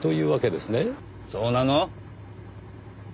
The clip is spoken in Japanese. そうなの？